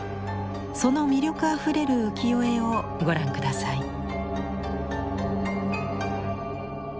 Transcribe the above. その魅力あふれる浮世絵をご覧下さい。